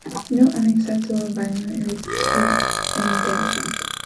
No unacceptable environmental risks were identified.